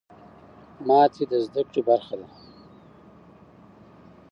ماتې د زده کړې برخه ده.